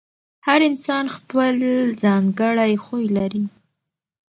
هر انسان خپل ځانګړی خوی لري.